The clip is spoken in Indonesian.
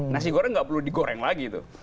nasi goreng nggak perlu digoreng lagi tuh